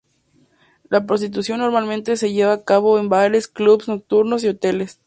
La prostitución normalmente se lleva a cabo en bares, clubes nocturnos y hoteles.